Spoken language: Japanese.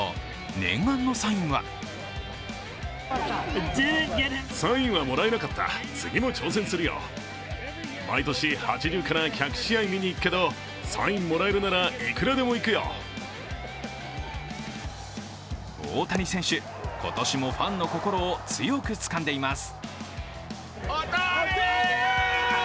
念願のサインは大谷選手、今年もファンの心を強くつかんでいます。